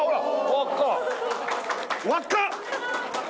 輪っか！